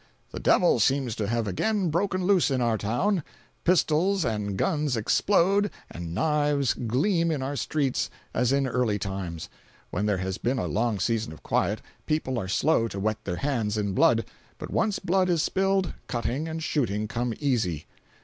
—The devil seems to have again broken loose in our town. Pistols and guns explode and knives gleam in our streets as in early times. When there has been a long season of quiet, people are slow to wet their hands in blood; but once blood is spilled, cutting and shooting come easy.